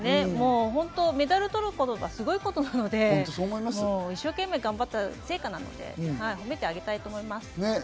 本当、メダルを取ることはすごいことなので、一生懸命頑張った成果なので、褒めてあげたいと思います。